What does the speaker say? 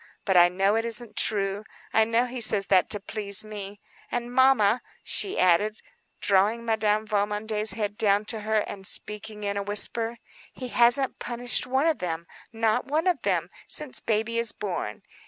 But I know it isn't true. I know he says that to please me. And mamma," she added, drawing Madame Valmondé's head down to her, and speaking in a whisper, "he hasn't punished one of them—not one of them—since baby is born.